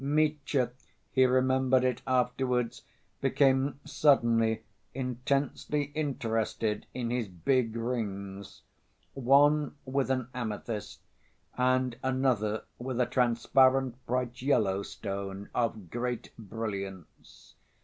Mitya (he remembered it afterwards) became suddenly intensely interested in his big rings, one with an amethyst, and another with a transparent bright yellow stone, of great brilliance.